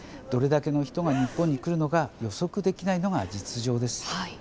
どれだけの人が日本に来るのか予測できないのが実情です。